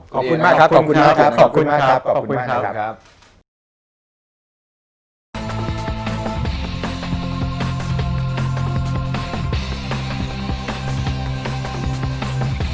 ขอบคุณมากครับ